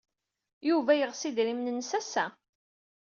Yuba yeɣs idrimen-nnes ass-a.